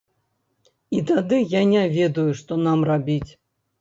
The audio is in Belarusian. І тады я не ведаю, што нам рабіць.